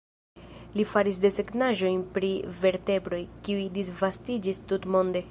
Li faris desegnaĵojn pri vertebroj, kiuj disvastiĝis tutmonde.